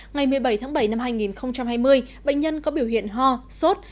ngày một mươi bảy tháng bảy năm hai nghìn hai mươi bệnh nhân có biểu hiện ho sốt